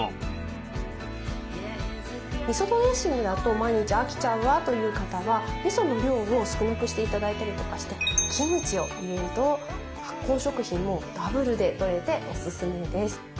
みそドレッシングだと毎日飽きちゃうわという方はみその量を少なくして頂いたりとかしてキムチを入れると発酵食品もダブルでとれておすすめです。